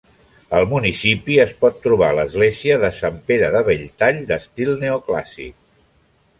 Al municipi es pot trobar l'església de Sant Pere de Belltall d'estil neoclàssic.